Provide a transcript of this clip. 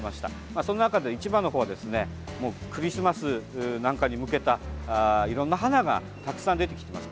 そんな中で、市場のほうはクリスマスなんかに向けたいろんな花がたくさん出てきてます。